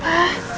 terima kasih mas